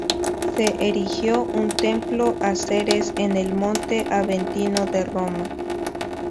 Se erigió un templo a Ceres en el monte Aventino de Roma.